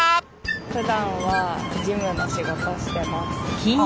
ふだんは事務の仕事してます。